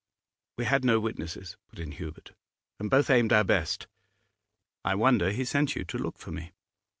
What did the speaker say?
'We had no witnesses,' put in Hubert; 'and both aimed our best. I wonder he sent you to look for me.